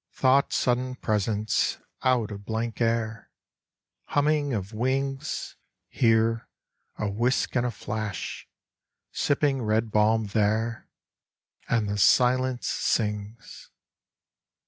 Thought sudden presence Out of blank air Humming of wings! Here a whisk and a flash! Sipping red balm there And the silence sings.